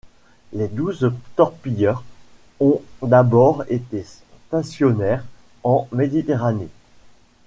Les douze torpilleurs ont d'abord été stationnaires en Méditerranée.